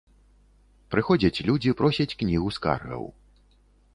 Прыходзяць людзі просяць кнігу скаргаў.